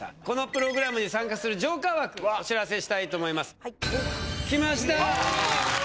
このプログラムに参加するジョーカー枠お知らせしたいと思いますきました！